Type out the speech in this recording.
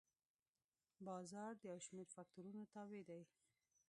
بازار د یو شمېر فکتورونو تابع دی.